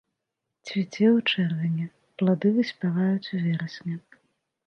Цвіце ў чэрвені, плады выспяваюць у верасні.